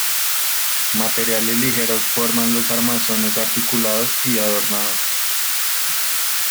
Materiales ligeros forman los armazones articulados y adornados.